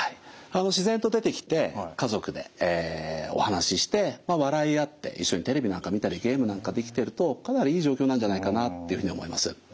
自然と出てきて家族でお話しして笑い合って一緒にテレビなんか見たりゲームなんかできてるとかなりいい状況なんじゃないかなっていうふうに思います。